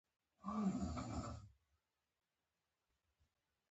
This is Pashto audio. زه د خپلې ژبې د پرمختګ لپاره هر ډول مرسته کوم.